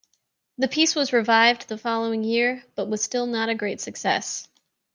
The piece was revived the following year, but was still not a great success.